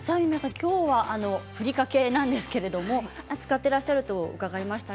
きょうはふりかけなんですけれど使っていらっしゃると伺いました。